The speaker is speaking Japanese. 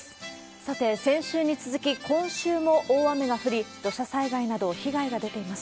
さて、先週に続き、今週も大雨が降り、土砂災害など被害が出ています。